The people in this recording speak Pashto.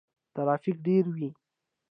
ترافیک ډیر وي.